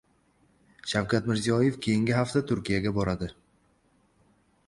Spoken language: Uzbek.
Shavkat Mirziyoyev keyingi hafta Turkiyaga boradi